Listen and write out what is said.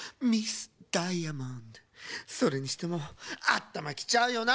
それにしてもあったまきちゃうよな